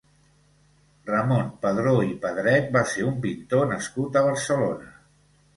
Ramon Padró i Pedret va ser un pintor nascut a Barcelona.